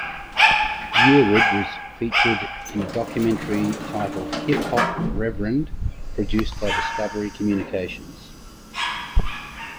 Yearwood was featured in a documentary titled "Hip Hop Reverend" produced by Discovery Communications.